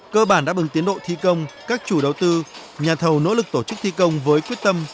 cơ bản đáp ứng tiến độ thi công các chủ đầu tư nhà thầu nỗ lực tổ chức thi công với quyết tâm